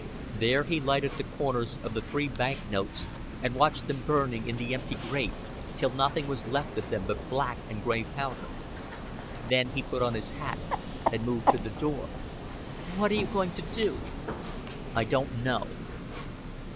There he lighted the corners of the three bank notes and watched them burning in the empty grate till nothing was left of them but black and gray powder. Then he put on his hat and moved to the door. "What are you going to do?" "I don't know."